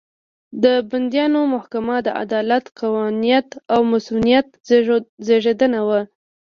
د بندیانو محاکمه د عدالت، قانونیت او مصونیت زېږنده وو.